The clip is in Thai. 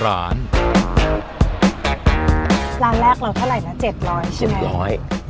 ล้านแรกเราเท่าไหร่นะ๗๐๐บาทใช่ไหม๗๐๐บาท